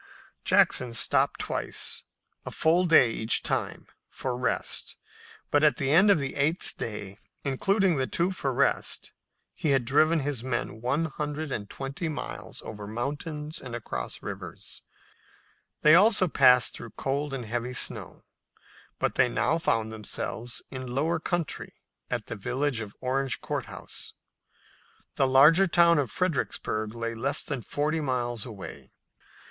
Jackson stopped twice, a full day each time, for rest, but at the end of the eighth day, including the two for rest, he had driven his men one hundred and twenty miles over mountains and across rivers. They also passed through cold and heavy snow, but they now found themselves in lower country at the village of Orange Court House. The larger town of Fredericksburg lay less than forty miles away.